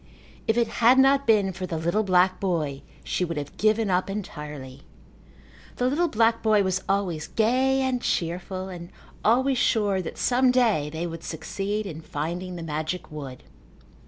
If it had not been for the little black boy she would have given up entirely. The little black boy was always gay and cheerful and always sure that some day they would succeed in finding the magic wood.